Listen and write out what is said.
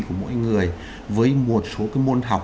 của mỗi người với một số cái môn học